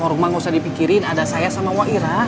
orang emang gak usah dipikirin ada saya sama wairah